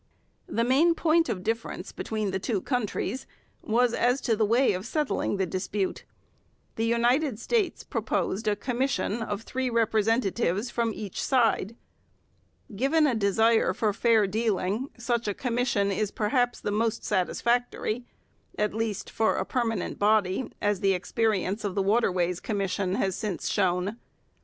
The main point of difference between the two countries was as to the way of settling the dispute. The United States proposed a commission of three representatives from each side. Given a desire for fair dealing, such a commission is perhaps most satisfactory, at least for a permanent body, as the experience of the Waterways Commission has since shown.